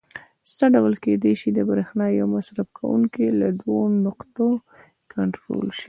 څه ډول کېدای شي د برېښنا یو مصرف کوونکی له دوو نقطو کنټرول شي؟